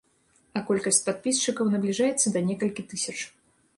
А колькасць падпісчыкаў набліжаецца да некалькі тысяч.